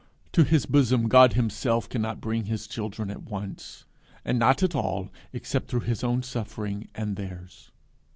To his bosom God himself cannot bring his children at once, and not at all except through his own suffering and theirs.